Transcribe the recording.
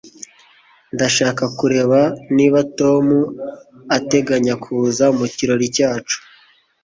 Ndashaka kureba niba Tom ateganya kuza mu kirori cyacu